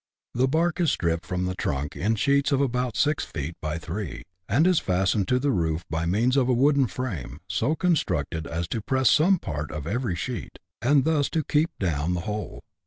The bark is stripped from the trunk in sheets of about six feet by three, and is fastened to the roof by means of a wooden frame, so constructed as to press some part of every sheet, and thus to keep down the whole.